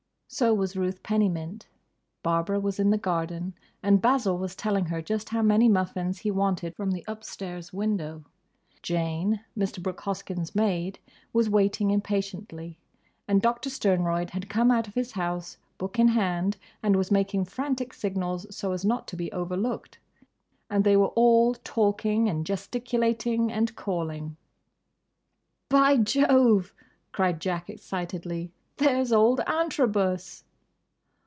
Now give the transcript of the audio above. So was Ruth Pennymint. Barbara was in the garden, and Basil was telling her just how many muffins he wanted from the upstairs window; Jane, Mr. Brooke Hoskyn's maid, was waiting impatiently; and Dr. Sternroyd had come out of his house book in hand, and was making frantic signals so as not to be overlooked. And they were all talking, and gesticulating, and calling. "By Jove!" cried Jack excitedly, "there's old Antrobus!"